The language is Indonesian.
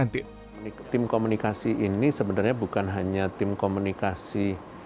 tim komunikasi ini sebenarnya bukan hanya tim komunikasi